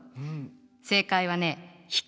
正解はね光。